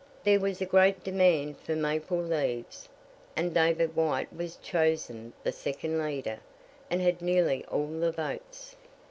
There was a great demand for maple leaves, and David White was chosen the second leader, and had nearly all the votes.